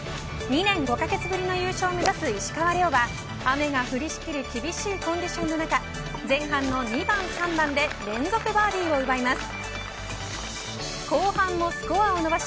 ２年５カ月ぶりの優勝を目指す石川遼は雨が降りしきる厳しいコンディションの中前半の２番、３番で連続バーディーを奪います。